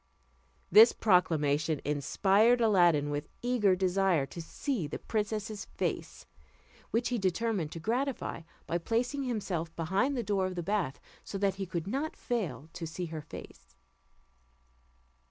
This proclamation inspired Aladdin with eager desire to see the princess's face, which he determined to gratify, by placing himself behind the door of the bath, so that he could not fail to see her face.